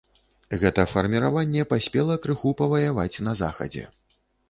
Гэта фарміраванне паспела крыху паваяваць на захадзе.